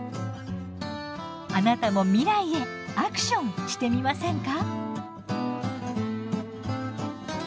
あなたも未来へ「アクション」してみませんか？